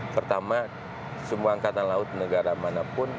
pertama semua angkatan laut negara manapun